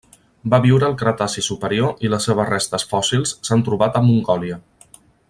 Va viure al Cretaci superior i les seves restes fòssils s'han trobat a Mongòlia.